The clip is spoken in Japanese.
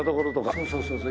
そうそうそうそう